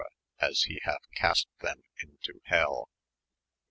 aa he hathe cast them into hell.